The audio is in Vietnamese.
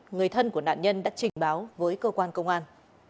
người thân của nạn nhân đã trình báo với cơ quan công an